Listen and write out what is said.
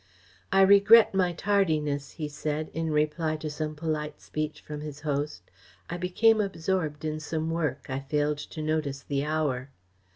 "I regret my tardiness," he said, in reply to some polite speech from his host. "I became absorbed in some work. I failed to notice the hour."